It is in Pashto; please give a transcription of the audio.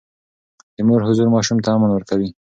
د مور حضور ماشوم ته امن ورکوي.